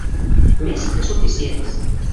Més que suficients.